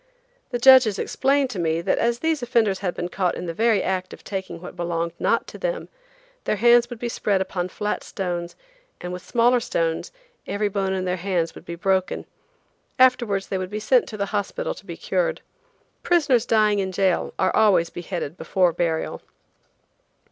The judges explained to me that as these offenders had been caught in the very act of taking what belonged not to them, their hands would be spread upon flat stones and with smaller stones every bone in their hands would be broken. Afterwards they would be sent to the hospital to be cured. Prisoners dying in jail are always beheaded before burial.